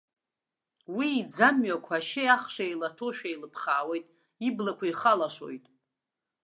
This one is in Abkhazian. Уи иӡамҩақәа ашьеиахши еилаҭәоушәа еилыԥхаауеит, иблақәа ихалашоит.